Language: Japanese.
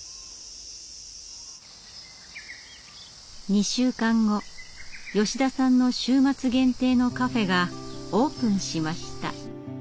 ２週間後吉田さんの週末限定のカフェがオープンしました。